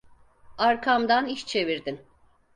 Arkamdan iş çevirdin.